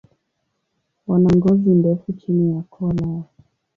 Wana ngozi ndefu chini ya koo lao.